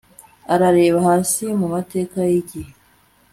arareba hasi mumateka yigihe